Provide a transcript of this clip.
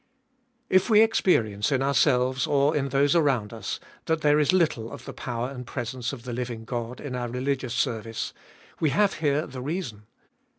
If we experience in ourselves, or in those around us, that there is little of the power and presence of the living God in our religious service, we have here the reason.